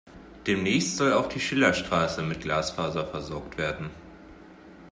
Demnächst soll auch die Schillerstraße mit Glasfaser versorgt werden.